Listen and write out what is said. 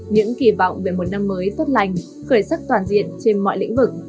những kỳ vọng về một năm mới tốt lành khởi sắc toàn diện trên mọi lĩnh vực